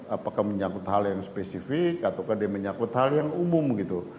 apakah menyangkut hal yang spesifik atau dia menyakut hal yang umum gitu